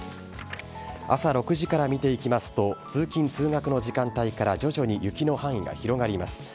朝６時から見ていきますと、通勤・通学の時間帯から徐々に雪の範囲が広がります。